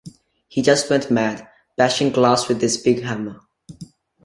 He just went mad, bashing glass with this big hammer.